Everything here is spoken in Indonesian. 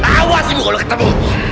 awas ibu kalau ketemu